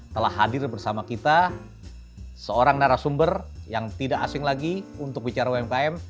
telah hadir bersama kita seorang narasumber yang tidak asing lagi untuk bicara umkm